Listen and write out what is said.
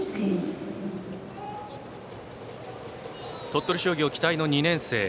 鳥取商業期待の２年生。